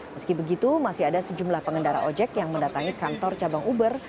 meski begitu masih ada sejumlah pengendara ojek yang mendatangi kantor cabang uber